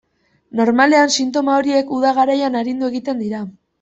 Normalean, sintoma horiek uda garaian arindu egiten dira.